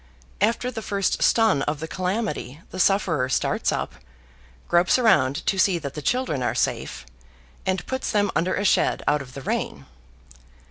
After the first stun of the calamity the sufferer starts up, gropes around to see that the children are safe, and puts them under a shed out of the rain.